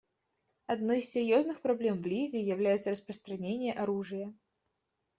Одной из серьезных проблем в Ливии является распространение оружия.